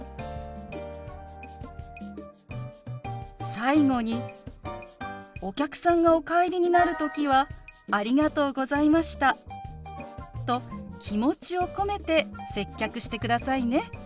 最後にお客さんがお帰りになる時は「ありがとうございました」と気持ちを込めて接客してくださいね。